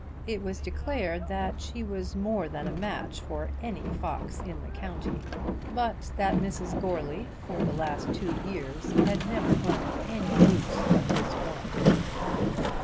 It was declared that she was more than a match for any fox in the county, but that Mrs. Goarly for the last two years had never owned any goose but this one.